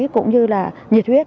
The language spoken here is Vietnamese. cũng như là nhiệt huyết